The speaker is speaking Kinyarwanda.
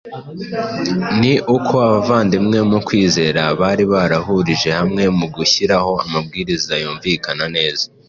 ni uko abavandimwe mu kwizera bari barahurije hamwe mu gushyiraho amabwiriza yumvikana neza